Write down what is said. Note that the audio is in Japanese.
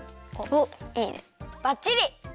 おっいいねばっちり！